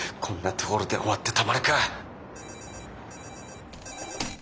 こんなところで終わってたまるか！